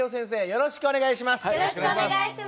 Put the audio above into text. よろしくお願いします。